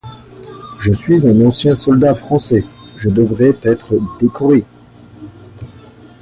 Je suis un ancien soldat français, je devrais être décoré!